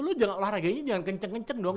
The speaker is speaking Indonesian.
lo olahraganya jangan kenceng kenceng dong